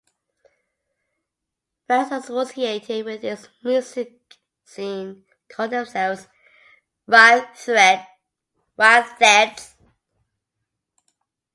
Fans associated with this music scene call themselves "rivetheads".